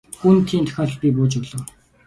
Гүн тийм тохиолдолд би бууж өглөө.